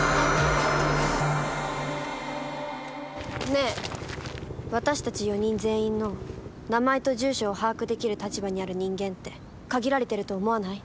ねえ私たち４人全員の名前と住所を把握できる立場にある人間って限られてると思わない？